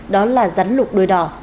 đó là rắn lục đuôi đỏ